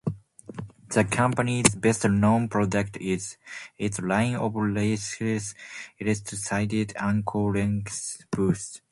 The company's best-known product is its line of laceless, elastic-sided, ankle-length boots.